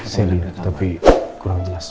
seling tapi kurang jelas